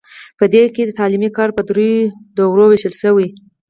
په دې کې تعلیمي کار په دریو دورو ویشل شوی.